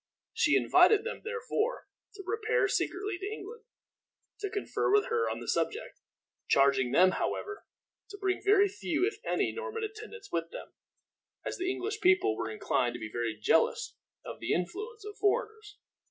She invited them, therefore, to repair secretly to England, to confer with her on the subject; charging them, however, to bring very few, if any, Norman attendants with them, as the English people were inclined to be very jealous of the influence of foreigners.